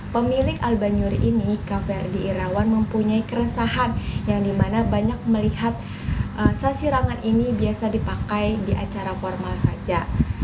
pemilik albanyuri k ferdi irawan mempunyai keresahan yang banyak melihat sasirangan ini biasa dipakai di acara formal saja